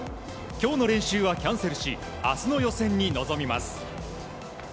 今日の練習はキャンセルし明日の予選に臨みます。